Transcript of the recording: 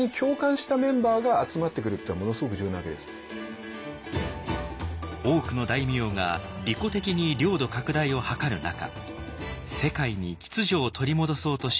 いうことを提示して多くの大名が利己的に領土拡大を図る中世界に秩序を取り戻そうとしていた信長。